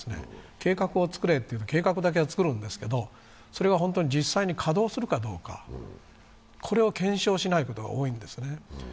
計画を作れというと、計画だけは作るんですけれども、それが本当に実際に稼働するかどうか、これを検証しないことが多いんですね。